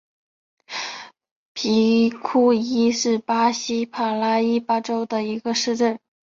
皮库伊是巴西帕拉伊巴州的一个市镇。